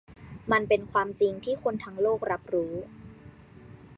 มันเป็นความจริงที่คนทั้งโลกรับรู้